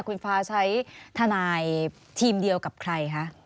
คุณฟ้าใช้ทนายทีมเดียวกับใครคะ